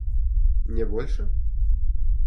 Не больше?